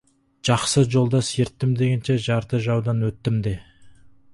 Жақсы жолдас ерттім дегенше, жарты жаудан өттім де.